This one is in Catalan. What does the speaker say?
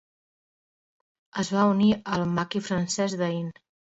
Es va unir al maqui francès d'Ain.